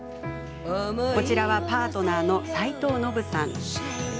こちらはパートナーの斉藤ノヴさん。